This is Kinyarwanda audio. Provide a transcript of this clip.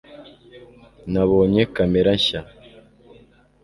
nabonye kamera nshya